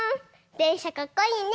でんしゃかっこいいね。